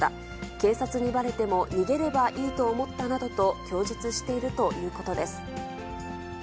警察にばれても逃げればいいと思ったなどと供述しているということです。